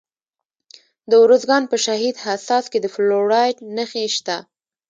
د ارزګان په شهید حساس کې د فلورایټ نښې شته.